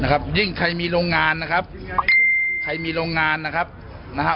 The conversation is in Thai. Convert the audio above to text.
ยิ่งใครมีโรงงานนะครับใครมีโรงงานนะครับนะฮะ